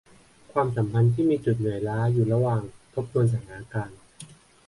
ความสัมพันธ์ที่มีจุดเหนื่อยล้าอยู่ระหว่างทบทวนสถานการณ์